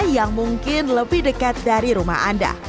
yang mungkin lebih dekat dari rumah anda